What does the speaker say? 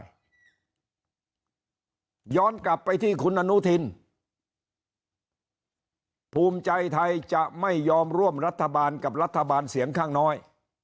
ย้อนกลับไปที่คุณอนุทินภูมิใจไทยจะไม่ยอมร่วมรัฐบาลกับรัฐบาลเสียงข้างน้อย